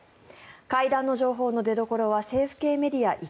会談の情報の出どころは政府系メディア１